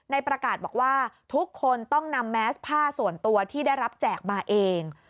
ประกาศบอกว่าทุกคนต้องนำแมสผ้าส่วนตัวที่ได้รับแจกมาเอง